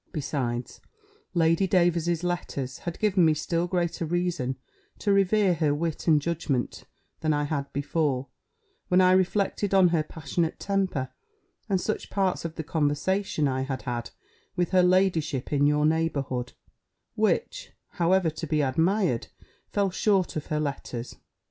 Besides, Lady Davers's letters had given me still greater reason to revere her wit and judgment than I had before, when I reflected on her passionate temper, and such parts of the conversation I had had with her ladyship in your neighbourhood; which (however to be admired) fell short of her letters.